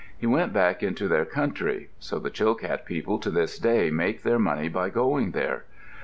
He went back into their country. So the Chilkat people to this day make their money by going there.